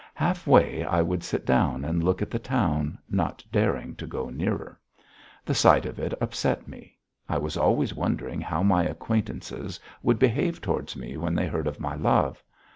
Half way I would sit down and look at the town, not daring to go nearer. The sight of it upset me, I was always wondering how my acquaintances would behave toward me when they heard of my love.